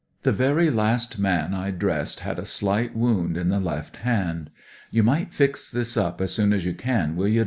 " The very last man I dressed had a sUght wound in the left hand. 'You might fix this up as soon as you can, will you.